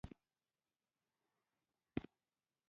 علماوو دیني او سیاسي پوهه دواړه درلوده.